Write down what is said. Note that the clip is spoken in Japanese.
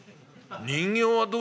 人形はど。